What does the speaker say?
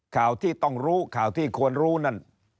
ข่าวที่ต้องรู้ข่าวที่ควรรู้นั่น